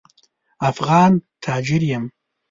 افغان تاجر یم.